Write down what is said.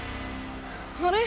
あれ？